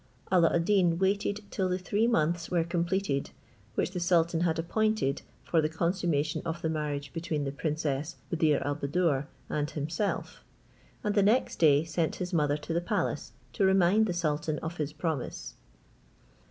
Alla ad Deen waited till the three months were completed, which the sultan had appointed for the consummation of the marriage between the princess Buddir al Buddoor and himself; and the next day sent his mother to the palace, to remind the sultan of his promise.